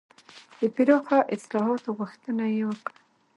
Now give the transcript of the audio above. د پراخو اصلاحاتو غوښتنه یې وکړه.